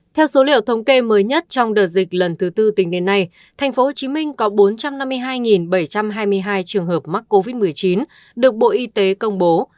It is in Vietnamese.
theo số liệu thống kê mới nhất trong đợt dịch lần thứ tư tính đến nay tp hcm có bốn trăm năm mươi hai bảy trăm hai mươi hai trường hợp mắc covid một mươi chín được bộ y tế công bố